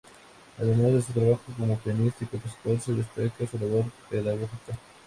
Además de su trabajo como pianista y compositor se destaca su labor pedagógica.